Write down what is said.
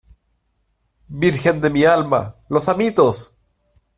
¡ virgen de mi alma! ¡ los amitos !